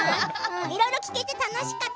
いろいろ聞けて楽しかった。